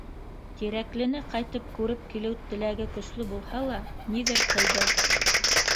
Тирәклене ҡайтып күреп килеү теләге көслө булһа ла, ниҙер тыйҙы.